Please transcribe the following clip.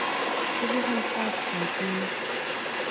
ذهن پاک ساتئ